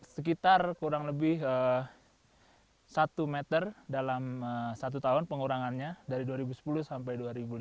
sekitar kurang lebih satu meter dalam satu tahun pengurangannya dari dua ribu sepuluh sampai dua ribu lima belas